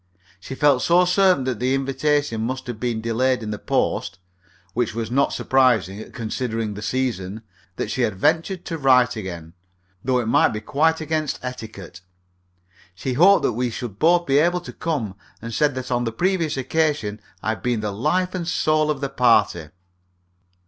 She felt so certain that the invitation must have been delayed in the post (which was not surprising, considering the season), that she had ventured to write again, though it might be against etiquette. She hoped that we should both be able to come, and said that on the previous occasion I had been the life and soul of the party.